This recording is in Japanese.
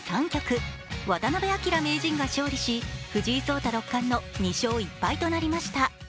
渡辺明名人が勝利し、藤井聡太六冠の２勝１敗となりました。